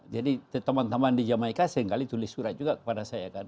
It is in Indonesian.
jadi teman teman di jamaica sekali kali tulis surat juga kepada saya